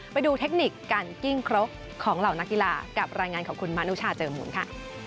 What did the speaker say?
ไปดูเทคนิคการกิ้งครกของเหล่านักกีฬากับรายงานของคุณมานุชาเจอหมุนค่ะ